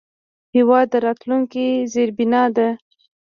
هېواد د راتلونکي زیربنا ده.